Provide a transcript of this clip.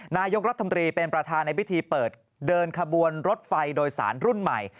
นายกรัฐมนตรีเป็นประธานในพิธีเปิดเดินขบวนรถไฟโดยสารรุ่นใหม่